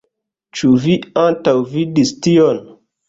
Ĉu vi antaŭvidis tion?